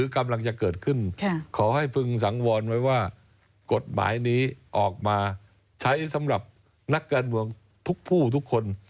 ขอให้พึงสังวรไว้ว่ากฎหมายนี้ออกมาใช้สำหรับนักการเมืองทุกผู้ทุกคน